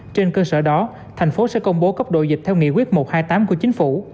trên cơ sở đó thành phố sẽ công bố cấp độ dịch theo nghị quyết một trăm hai mươi tám của chính phủ